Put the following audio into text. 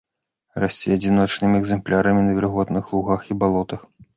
Расце адзіночнымі экземплярамі на вільготных лугах і балотах.